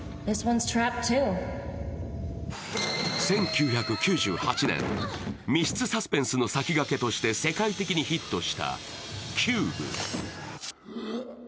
１９９８年、密室サスペンスの先駆けとして世界的にヒットした「ＣＵＢＥ」。